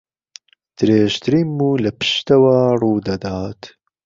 درێژترین موو لە پشتەوە ڕوو دەدات